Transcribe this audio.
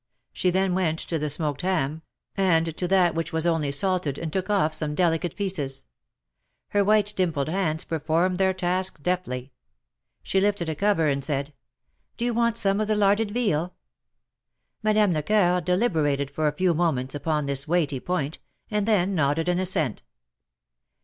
She then went to the smoked ham, and to that which was only salted, and took off some delicate pieces. Her white dimpled hands performed their task deftly. She lifted a cover, and said: " Do you want some of the larded veal ?" 98 THE MAKKETS OF PARIS. Madame Lecceur deliberated for a few moments upon this weighty point, and then nodded an assent.